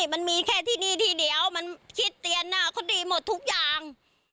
มันมีแค่ที่นี่ที่เดียวมันคิดเตียนเขาดีหมดทุกอย่าง